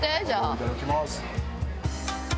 いただきます。